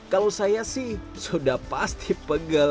kalau saya sih sudah pasti pegel